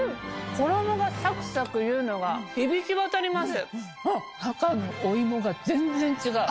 衣がサクサクいうのが響き渡ります。